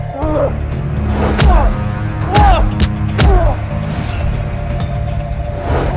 bon jangan kepukukan mama